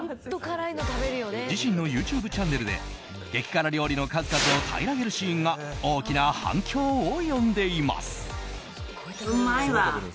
自身のＹｏｕＴｕｂｅチャンネルで激辛料理の数々を平らげるシーンが大きな反響を呼んでいます。